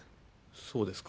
そうですか。